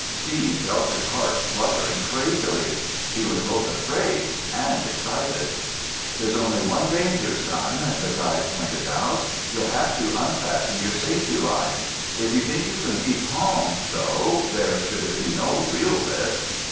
Steve felt his heart fluttering crazily. He was both afraid and excited. "There's only one danger, son," the guide pointed out. "You'll have to unfasten your safety line. If you think you can keep calm, though, there should be no real risk."